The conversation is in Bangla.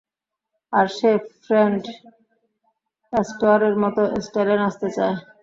আর সে ফ্রেড অ্যাস্টায়ারের মতো স্টাইলে নাচতে চায়।